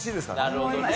なるほどね。